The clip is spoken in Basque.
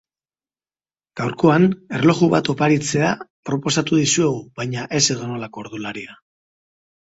Gaurkoan, erloju bat oparitzea proposatuko dizuegu, baina, ez edonolako ordularia.